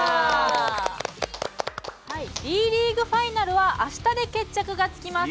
Ｂリーグファイナルはあしたで決着がつきます。